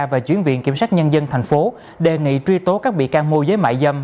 và chuyển viện kiểm soát nhân dân thành phố đề nghị truy tố các bị can mua giấy mại dâm